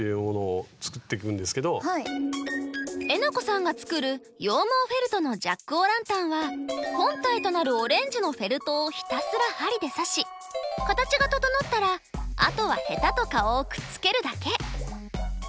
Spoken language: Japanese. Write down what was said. えなこさんが作る羊毛フェルトのジャック・オ・ランタンは本体となるオレンジのフェルトをひたすら針で刺し形が整ったらあとはヘタと顔をくっつけるだけ。